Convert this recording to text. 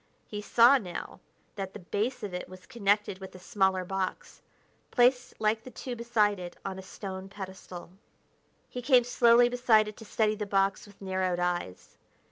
He saw now that the base of it was connected with a smaller box, placed like the two beside it on a stone pedestal. He came slowly beside it to study the box with narrowed eyes.